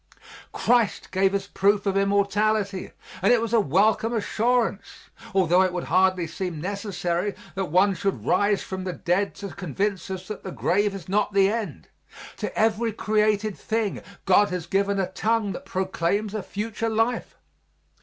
Christ gave us proof of immortality and it was a welcome assurance, altho it would hardly seem necessary that one should rise from the dead to convince us that the grave is not the end. To every created thing God has given a tongue that proclaims a future life.